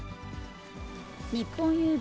日本郵便